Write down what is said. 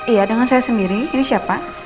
iya dengan saya sendiri ini siapa